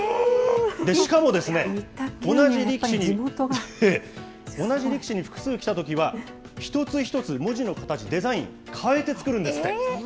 しかも同じ力士に複数きたときは、一つ一つ、文字の形、デザイン、変えて作るんですって。